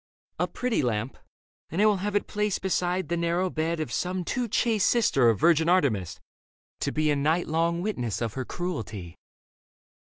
" A pretty lamp, and I will have it placed Beside the narrow bed of some too chaste Sister of virgin Artemis, to be A night long witness of her cruelty.